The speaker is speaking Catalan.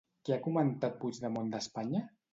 Què ha comentat Puigdemont d'Espanya?